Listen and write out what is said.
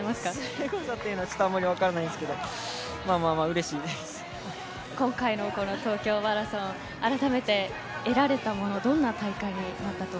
すごさはあんまり分からないんですけど今回の東京マラソンあらためて得られたものはどんな大会でしたか。